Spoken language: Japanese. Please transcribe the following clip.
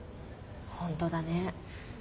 本当だね。